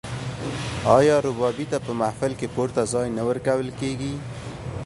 آیا ربابي ته په محفل کې پورته ځای نه ورکول کیږي؟